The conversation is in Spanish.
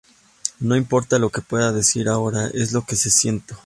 No importa lo que pueda decir ahora, eso es lo que siento".